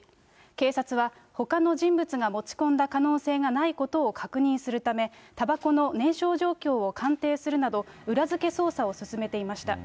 警察はほかの人物が持ち込んだ可能性がないことを確認するため、たばこの燃焼状況を鑑定するなど、裏付け捜査を進めていました。